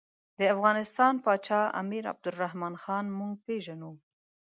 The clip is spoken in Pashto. د افغانستان پاچا امیر عبدالرحمن موږ پېژنو.